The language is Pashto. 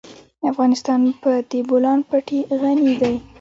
افغانستان په د بولان پټي غني دی.